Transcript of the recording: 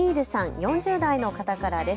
４０代の方からです。